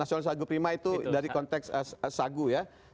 nasionalis agu prima itu dari konteks sagu ya